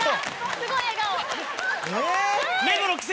すごい笑顔！